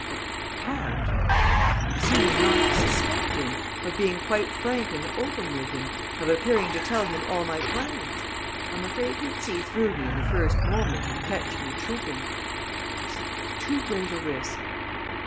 "The part?" "Of seeming not to suspect him, of being quite frank and open with him, of appearing to tell him all my plans. I'm afraid he'd see through me in the first moment and catch me tripping. It's too great a risk."